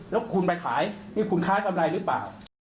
แล้วคุณไปขายนี่คุณค้ากำไรหรือเปล่า